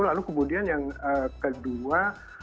lalu kemudian yang kedua